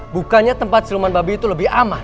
bukannya tempat siluman babi itu lebih aman